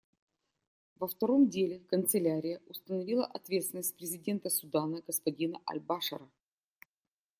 Во втором деле Канцелярия установила ответственность президента Судана господина аль-Башира.